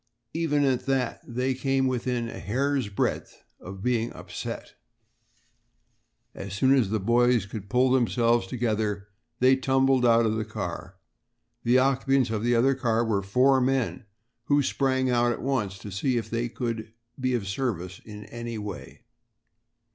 Even at that they had come within a hair's breadth of being upset. As soon as the boys could pull themselves together, they tumbled out of the car. The occupants of the other car were four men, who sprang out at once to see if they could be of service in any way.